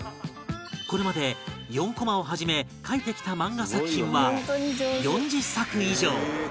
これまで４コマをはじめ描いてきた漫画作品は４０作以上！